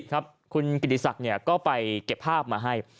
คุณกิติศักดิ์ก็ไปเก็บภาพมาให้